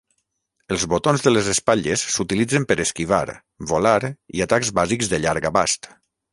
Els botons de les espatlles s'utilitzen per esquivar, volar i atacs bàsics de llarg abast.